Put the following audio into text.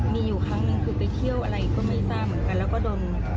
มีอยู่ครั้งหนึ่งคือไปเที่ยวอะไรก็ไม่ทราบเหมือนกันแล้วก็โดน